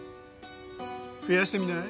増やしてみない？